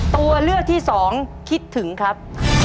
ตัวเลือกที่สองคิดถึงครับ